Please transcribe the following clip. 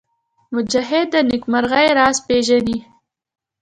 مجاهد د نېکمرغۍ راز پېژني.